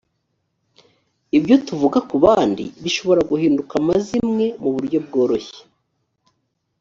ibyo tuvuga ku bandi bishobora guhinduka amazimwe mu buryo bworoshye